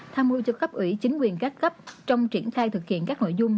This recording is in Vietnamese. tham mưu cho cấp ủy chính quyền các cấp trong triển khai thực hiện các nội dung